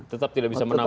tetap tidak bisa menabung